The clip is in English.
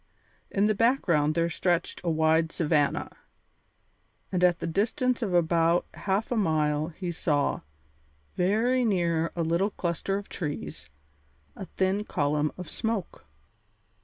In the background there stretched a wide savanna, and at the distance of about half a mile he saw, very near a little cluster of trees, a thin column of smoke.